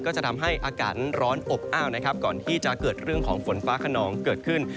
ก็จะทำให้อากาศนั้นร้อนอบอ้าวนะครับก่อนที่จะเกิดเรื่องของฝนฟ้าขนองเกิดขึ้น